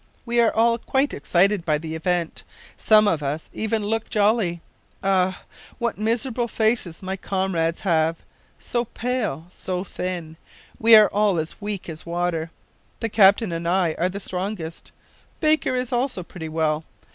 We are all quite excited by the event, some of us even look jolly. Ah! what miserable faces my comrades have! so pale, so thin! We are all as weak as water. The captain and I are the strongest. Baker is also pretty well.